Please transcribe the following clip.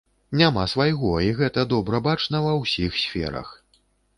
Няма свайго, і гэта добра бачна ва ўсіх сферах.